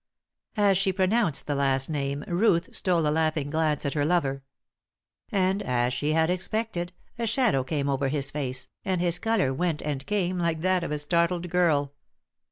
As she pronounced the last name Ruth stole a laughing glance at her lover. And, as she had expected, a shadow came over his face, and his colour went and came like that of a startled girl.